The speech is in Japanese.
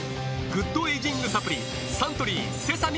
グッドエイジングサプリサントリー「セサミンＥＸ」